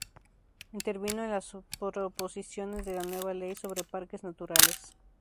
Intervino en las proposiciones de la nueva Ley sobre Parques Naturales.